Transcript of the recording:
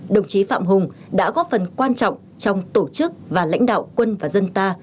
đồng chí phạm hùng đã góp phần quan trọng trong tổ chức và lãnh đạo quân và dân ta